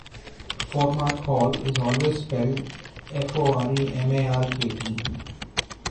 Foremarke Hall - is always spelled "Foremarke".